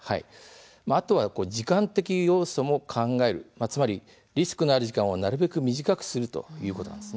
あとは時間的要素も考えるリスクがある時間をなるべく短くするということです。